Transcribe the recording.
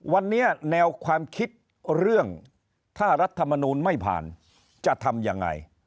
วันนี้แนวความคิดเรื่องถ้ารัฐมนูลไม่ผ่านจะทำยังไง